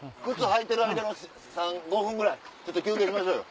履いてる間の５分ぐらいちょっと休憩しましょうよ。